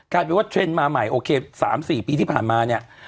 กลายเป็นว่าเทรนด์มาใหม่โอเค๓๔ปีที่ผ่านมาเนี่ย